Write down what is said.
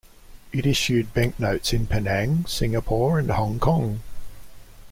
It issued banknotes in Penang, Singapore and Hong Kong.